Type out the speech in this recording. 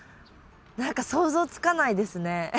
何か想像つかないですね。